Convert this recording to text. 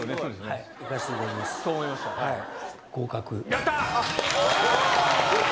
やったー！